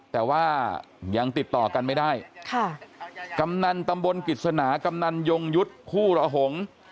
แต่ว่ายังติดต่อกันไม่ได้ค่ะกำนันตำบลกฤษณากำนันยงยุทธ์ผู้ระหงษ์